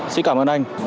xin cảm ơn anh